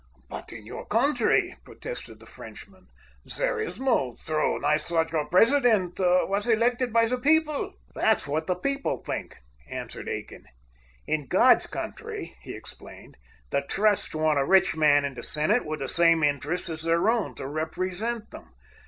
"But in your country," protested the Frenchman, "there is no throne. I thought your president was elected by the people?" "That's what the people think," answered Aiken. "In God's country," he explained, "the trusts want a rich man in the Senate, with the same interests as their own, to represent them.